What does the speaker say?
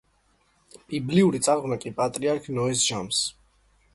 ბიბლიური წარღვნა კი პატრიარქ ნოეს ჟამს.